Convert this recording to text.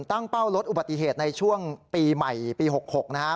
เป้าลดอุบัติเหตุในช่วงปีใหม่ปี๖๖นะฮะ